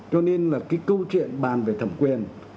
cho nên là cái câu chuyện bàn về thẩm quyền